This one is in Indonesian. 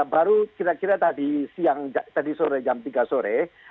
baru kira kira tadi siang tadi sore jam tiga sore